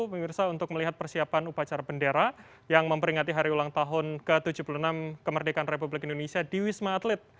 pemirsa untuk melihat persiapan upacara bendera yang memperingati hari ulang tahun ke tujuh puluh enam kemerdekaan republik indonesia di wisma atlet